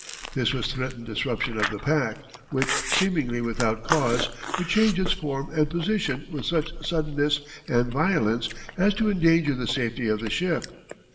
This was the threatened disruption of the pack, which, seemingly without cause, would change its form and position with such suddenness and violence as to endanger the safety of the ship.